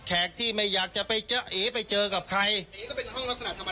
ที่ไม่อยากจะไปเจอเอไปเจอกับใครเอ๋ก็เป็นห้องลักษณะ